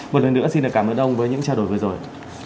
một lần nữa xin được cảm ơn ông với những trao đổi vừa rồi